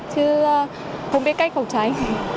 vậy là không biết cách khẩu trái